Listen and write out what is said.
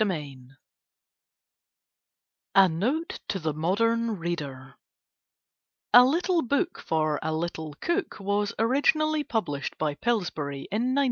A NOTE TO THE MODERN READER A Little Book for a Little Cook was originally published by Pillsbury in 1905.